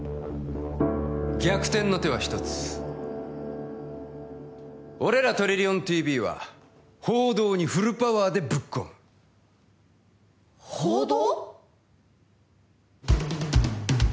逆転の手は一つ俺らトリリオンＴＶは報道にフルパワーでぶっ込む報道！？